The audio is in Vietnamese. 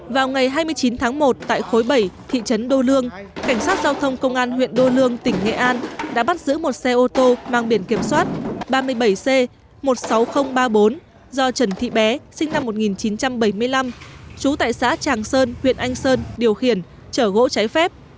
vào ngày hai mươi chín tháng một tại khối bảy thị trấn đô lương cảnh sát giao thông công an huyện đô lương tỉnh nghệ an đã bắt giữ một xe ô tô mang biển kiểm soát ba mươi bảy c một mươi sáu nghìn ba mươi bốn do trần thị bé sinh năm một nghìn chín trăm bảy mươi năm trú tại xã tràng sơn huyện anh sơn điều khiển chở gỗ trái phép